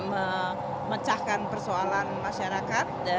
memecahkan persoalan masyarakat